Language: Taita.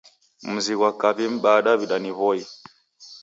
Mzi ghwa kaw'i m'baa Daw'ida ni W'oi.